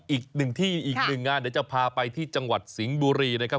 อีกหนึ่งที่อีกหนึ่งงานเดี๋ยวจะพาไปที่จังหวัดสิงห์บุรีนะครับ